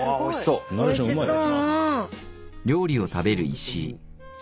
ナレーションうまいね。